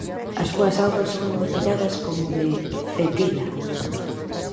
A súas augas son embotelladas como de "Cetina".